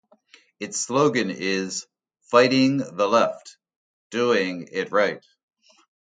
Its slogan is "Fighting the left...doing it right".